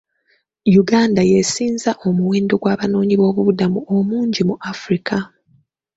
Uganda y'esinza omuwendo gw'abanoonyiboobubudamu omungi mu Africa.